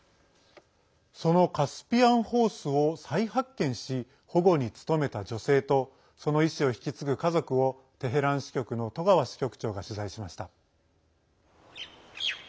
そのカスピアンホースを再発見し保護に努めた女性とその遺志を引き継ぐ家族をテヘラン支局の戸川支局長が取材しました。